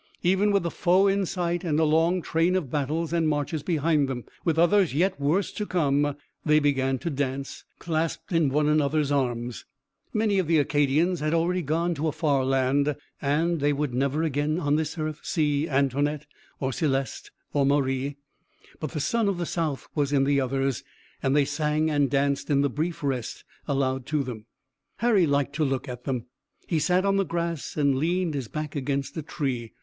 Even with the foe in sight, and a long train of battles and marches behind them, with others yet worse to come, they began to dance, clasped in one another's arms. Many of the Acadians had already gone to a far land and they would never again on this earth see Antoinette or Celeste or Marie, but the sun of the south was in the others and they sang and danced in the brief rest allowed to them. Harry liked to look at them. He sat on the grass and leaned his back against a tree.